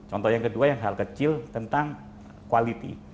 contoh yang ke dua yang hal kecil tentang quality